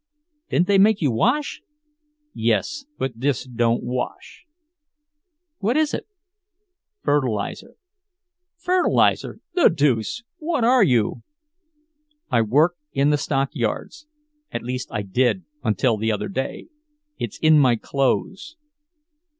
"Didn't they make you wash?" "Yes, but this don't wash." "What is it?" "Fertilizer." "Fertilizer! The deuce! What are you?" "I work in the stockyards—at least I did until the other day. It's in my clothes."